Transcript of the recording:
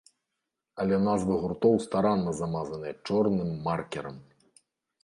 Але назвы гуртоў старанна замазаныя чорным маркерам!